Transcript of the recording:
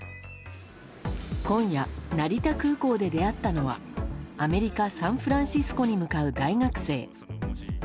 今夜、成田空港で出会ったのはアメリカ・サンフランシスコに向かう大学生。